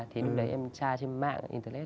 thì lúc đấy em tra trên mạng internet